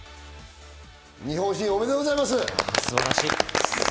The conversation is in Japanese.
日本新、おめでとうございます。